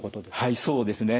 はいそうですね。